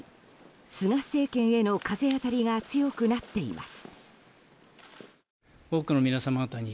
菅政権への風当たりが強くなっています。